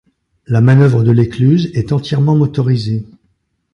La manœuvre de l'écluse est entièrement motorisée.